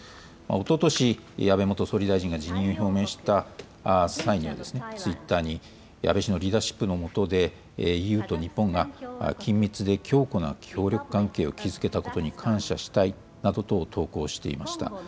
おととし、安倍元総理大臣が辞任を表明した際には、ツイッターに、安倍氏のリーダーシップの下でＥＵと日本が緊密で強固な協力関係を築けたことに感謝したいなどと投稿していました。